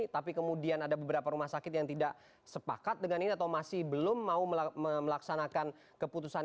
tapi kemudian ada beberapa rumah sakit yang tidak sepakat dengan ini atau masih belum mau melaksanakan keputusan